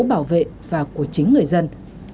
bảo vệ và của chính người dân